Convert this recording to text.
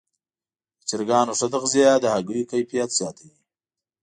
د چرګانو ښه تغذیه د هګیو کیفیت زیاتوي.